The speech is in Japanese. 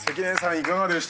いかがでしたか？